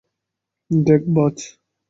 দেখ, বাজ।